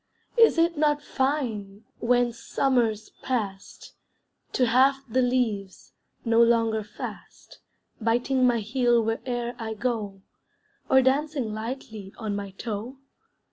Is it not fine, when summer's past, To have the leaves, no longer fast, Biting my heel where'er I go, Or dancing lightly on my toe?